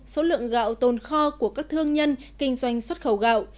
số lượng gạo tồn kho của các thương nhân kinh doanh xuất khẩu gạo